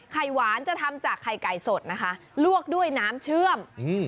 หวานจะทำจากไข่ไก่สดนะคะลวกด้วยน้ำเชื่อม